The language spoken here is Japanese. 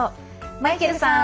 マイケルさん！